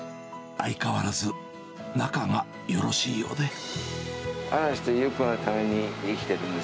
相変わらず、仲がよろしいようで。